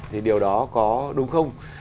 thì điều đó có đúng không